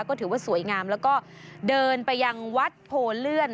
ก็ถือว่าสวยงามแล้วก็เดินไปยังวัดโพเลื่อน